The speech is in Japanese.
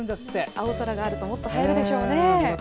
青空があるともっと映えるでしょうね。